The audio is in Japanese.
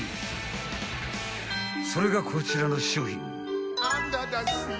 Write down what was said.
［それがこちらの商品］